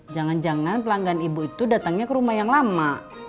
jangan jangan pelanggan ibu itu datangnya ke rumah yang lama